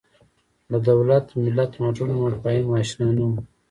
له دولت ملت مډرنو مفاهیمو اشنا نه وو